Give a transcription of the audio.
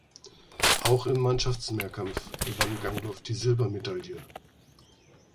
Auch im Mannschaftsmehrkampf gewann Gangloff die Silbermedaille.